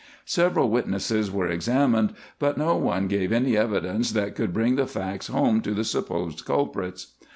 Several witnesses were examined, but no one gave any evidence that could bring the facts home to the supposed culprits.